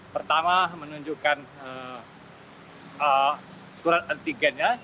pertama menunjukkan surat antigennya